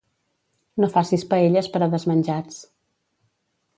No facis paelles per a desmenjats.